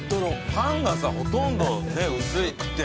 パンがさほとんどねっ薄くて。